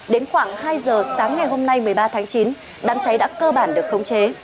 đến khoảng hai giờ sáng ngày hôm nay một mươi ba tháng chín đám cháy đã cơ bản được khống chế